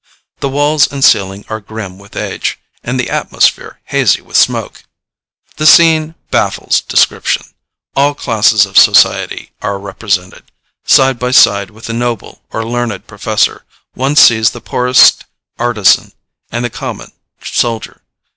The walls and ceiling are grim with age, and the atmosphere hazy with smoke. The scene baffles description. All classes of society are represented. Side by side with the noble or learned professor, one sees the poorest artisan and the common soldier.